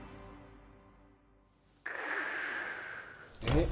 えっ。